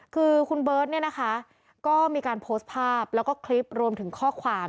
คือคุณเบิร์ตเนี่ยนะคะก็มีการโพสต์ภาพแล้วก็คลิปรวมถึงข้อความ